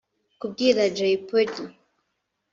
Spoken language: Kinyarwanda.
Kubwira Jay Polly